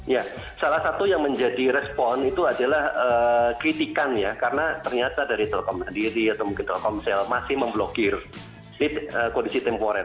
ya salah satu yang menjadi respon itu adalah kritikan ya karena ternyata dari telkom sendiri atau mungkin telkomsel masih memblokir kondisi temporer